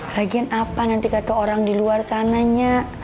lagian apa nanti kata orang di luar sana nya